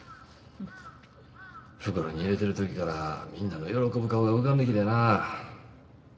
袋に入れてる時からみんなの喜ぶ顔が浮かんできてな。